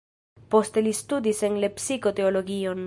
Poste li studis en Lepsiko teologion.